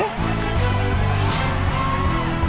เอ็ด